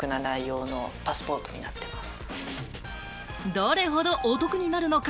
どれほどお得になるのか？